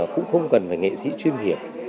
cũng không cần phải nghệ sĩ chuyên nghiệp